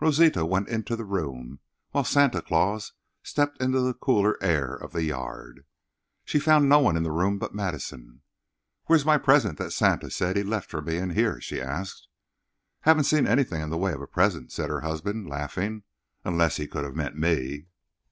Rosita went into the room, while Santa Claus stepped into the cooler air of the yard. She found no one in the room but Madison. "Where is my present that Santa said he left for me in here?" she asked. "Haven't seen anything in the way of a present," said her husband, laughing, "unless he could have meant me."